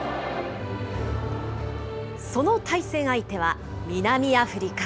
その対戦相手は南アフリカ。